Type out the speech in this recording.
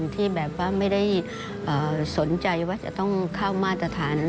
ที่แบบว่าไม่ได้สนใจว่าจะต้องเข้ามาตรฐาน